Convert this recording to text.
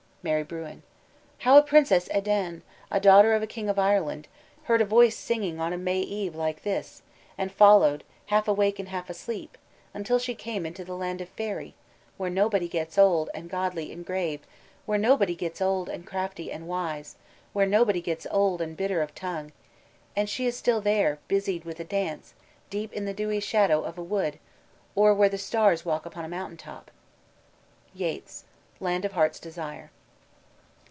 Maire Bruin. How a Princess Edane, A daughter of a King of Ireland, heard A voice singing on a May Eve like this, And followed, half awake and half asleep, Until she came into the land of faery, Where nobody gets old and godly and grave, Where nobody gets old and crafty and wise, Where nobody gets old and bitter of tongue; And she is still there, busied with a dance, Deep in the dewy shadow of a wood, Or where stars walk upon a mountain top." YEATS: _Land of Heart's Desire.